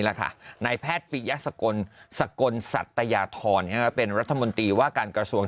นายแพทย์ปิยสกลสกลสัตยาธรเป็นรัฐมนตรีว่าการกระทรวง